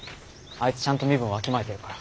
あいつちゃんと身分わきまえてるから。